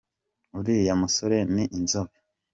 Uriya musore ni inzobe.